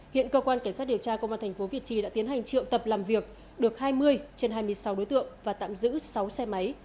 hiện cơ quan cảnh sát điều tra công an tp việt trì đã tiến hành triệu tập làm việc được hai mươi trên hai mươi sáu đối tượng và tạm giữ sáu xe máy